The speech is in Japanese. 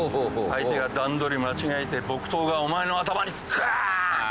相手が段取り間違えて木刀がお前の頭にガーン！